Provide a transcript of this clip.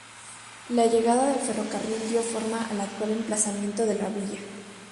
La llegada del ferrocarril dio forma al actual emplazamiento de la villa.